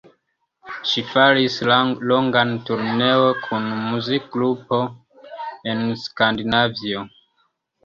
Ŝi faris longan turneon kun muzikgrupo en Skandinavio.